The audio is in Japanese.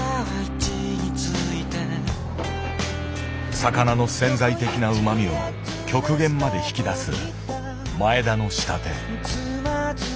魚の潜在的なうまみを極限まで引き出す前田の仕立て。